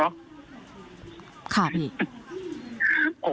มันโตน้อยมาจากภาคการเกษตรแล้ว